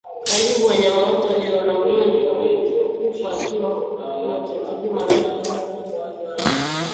Karibu wanyama wote walio na ugonjwa huu hufa ikiwa hawatatibiwa Maradhi haya hukaa sana